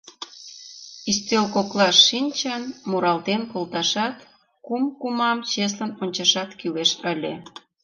Ӱстел коклаш шинчын, муралтен колташат, кум-кумам чеслын ончашат кӱлеш ыле.